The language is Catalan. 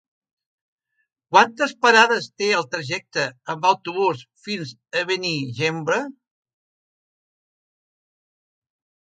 Quantes parades té el trajecte en autobús fins a Benigembla?